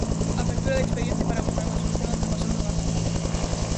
Apertura de expediente para buscar unha solución ao que pasou no Gatañal.